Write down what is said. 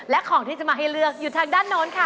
และของที่จะมาให้เลือกอยู่ทางด้านโน้นค่ะ